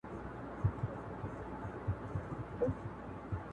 ویل تم سه چي بېړۍ دي را رسیږي!!